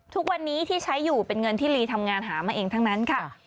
ทุกวันนี้ที่ใช้อยู่เป็นเงินที่ลีทำงานหามาเองทั้งนั้นค่ะ